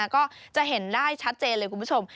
ก็จะเห็นได้ชัดเจนเลยคุณผู้ชม